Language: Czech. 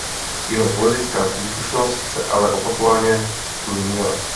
Jeho politická příslušnost se ale opakovaně měnila.